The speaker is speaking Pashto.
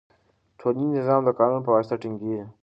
ټولنیز نظم د قانون په واسطه ټینګیږي.